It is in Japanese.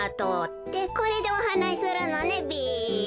ってこれでおはなしするのねべ。